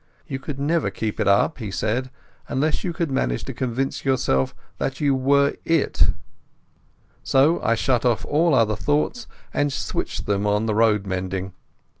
You could never keep it up, he said, unless you could manage to convince yourself that you were it. So I shut off all other thoughts and switched them on to the road mending.